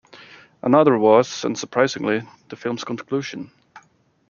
Another was, unsurprisingly, the film's conclusion.